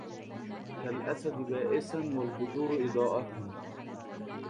كالأسد بأسا والبدور إضاءة